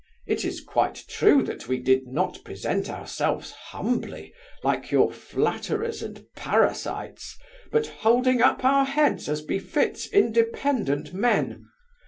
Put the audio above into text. It is quite true that we did not present ourselves humbly, like your flatterers and parasites, but holding up our heads as befits independent men.